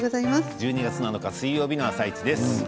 １２月７日水曜日の「あさイチ」です。